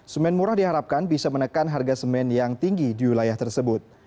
semen murah diharapkan bisa menekan harga semen yang tinggi di wilayah tersebut